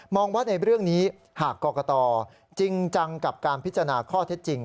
ว่าในเรื่องนี้หากกรกตจริงจังกับการพิจารณาข้อเท็จจริง